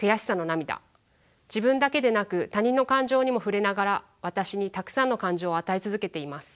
自分だけでなく他人の感情にも触れながら私にたくさんの感情を与え続けています。